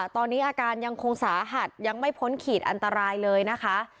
ตอนนี้อาการยังคงสาหัสยังไม่พ้นขีดอันตรายเลยนะคะ